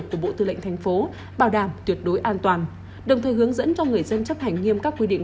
của bộ tư lệnh thành phố bảo đảm tuyệt đối an toàn đồng thời hướng dẫn cho người dân chấp hành nghiêm các quy định